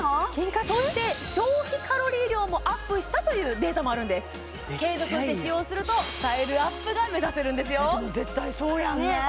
そして消費カロリー量もアップしたというデータもあるんです継続して使用するとスタイルアップが目指せるんですよでも絶対そうやんねねえ